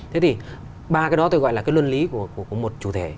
thế thì ba cái đó tôi gọi là cái luân lý của một chủ thể